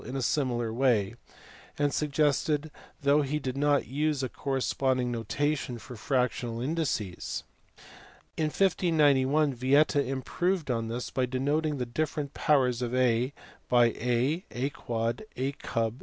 in a similar way; and suggested though he did not use a corresponding notation for fractional indices (see p. 232 and p. 248). In 1591 Vieta im proved on this by denoting the different powers of A by A, AquacL, A cub.